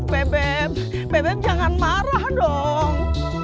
bebek bebek jangan marah dong